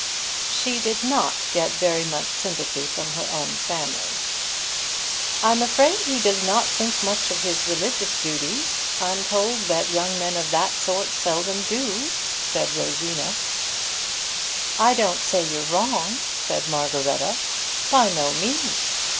She did not get very much sympathy from her own family. "I'm afraid he does not think much of his religious duties. I'm told that young men of that sort seldom do," said Rosina. "I don't say you're wrong," said Margaretta. "By no means.